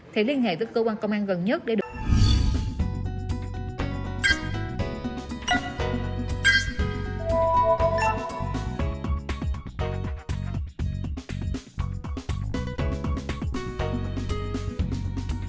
thì liên hệ với cơ quan công an gần nhất để đối tượng thuận